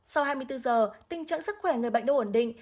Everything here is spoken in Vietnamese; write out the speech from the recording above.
sau hai mươi bốn giờ tình trạng sức khỏe người bệnh đã ổn định